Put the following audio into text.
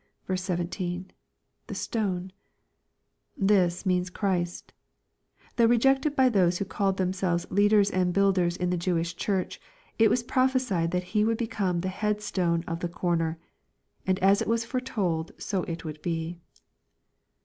17. — [lyie stone.] This means Christ Though rejected by those who called themselves leaders and builders in the Jewish church, it was prophesied that He would become the head stone of the corner. And as it was foretold, so it would be.